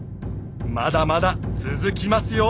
まだまだ続きますよ！